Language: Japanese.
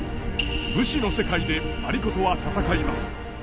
武士の世界で有功は戦います。